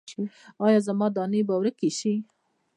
ایا زما دانې به ورکې شي؟